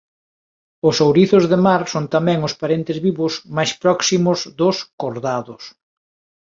Os ourizos de mar son tamén os parentes vivos máis próximos dos cordados.